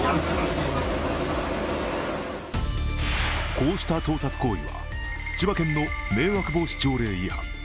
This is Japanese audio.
こうした盗撮行為は千葉県の迷惑防止条例違反。